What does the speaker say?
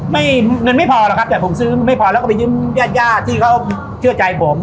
ไม่เงินไม่พอหรอกครับแต่ผมซื้อไม่พอแล้วก็ไปยืมญาติญาติที่เขาเชื่อใจผม